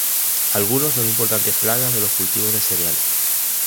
Algunos son importantes plagas de los cultivos de cereales.